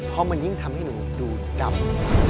เพราะมันยิ่งทำให้หนูดูดดำ